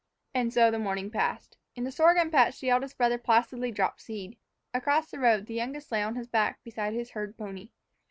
And so the morning passed. In the sorghum patch the eldest brother placidly dropped seed. Across the road the youngest lay on his back beside his herd pony.